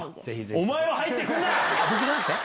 お前は入ってくるな！